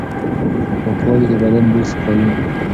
پاکوالي د بدن بوی ښه کوي.